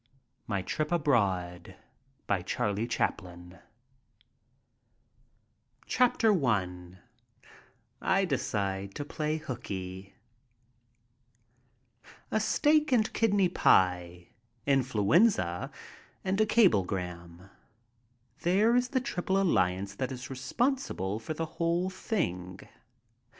148 MY TRIP ABROAD MY TRIP ABROAD I DECIDE TO PLAY HOOKEY ASTEAK AND KIDNEY pie, influenza, and a cablegram. There is the triple alliance that is responsible for the whole thing.